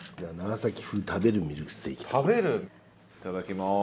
いただきます。